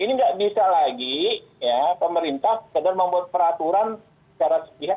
ini nggak bisa lagi ya pemerintah sekadar membuat peraturan secara setia